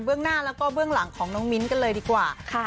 ก็คือทำควบคู่กันไปเลยค่ะ